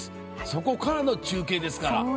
そこからの中継ですから。